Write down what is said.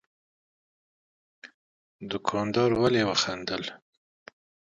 دوکاندار ولي وخندل؟